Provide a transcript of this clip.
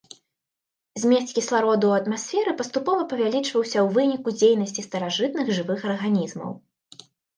Змест кіслароду ў атмасферы паступова павялічвалася ў выніку дзейнасці старажытных жывых арганізмаў.